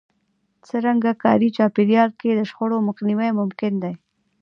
څرنګه کاري چاپېريال کې د شخړو مخنيوی ممکن دی؟